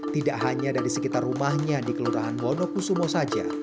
tidak hanya dari sekitar rumahnya di kelurahan wonokusumo saja